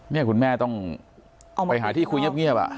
เนี้ยคุณแม่ต้องเอามาไปหาที่คุยเงียบเงียบอ่ะ